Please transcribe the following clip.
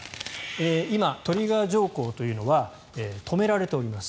今、トリガー条項というのは止められております。